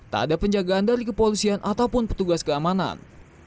tak ada penjagaan dari kepolisian ataupun petugas keamanan